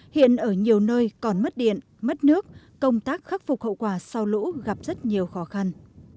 hiện ở nhiều nơi còn mất điện mất nước công tác khắc phục hậu quả sau lũ gặp rất nhiều khó khăn